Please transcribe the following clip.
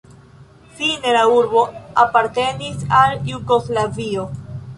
Fine la urbo apartenis al Jugoslavio.